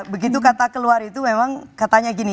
begitu kata keluar itu memang katanya gini